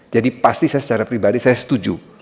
jadi pasti secara pribadi saya setuju